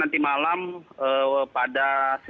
nanti malam pada sembilan belas tiga puluh